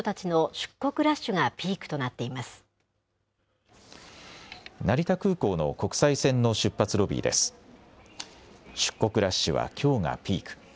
出国ラッシュはきょうがピーク。